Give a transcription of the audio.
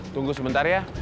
tunggu sebentar ya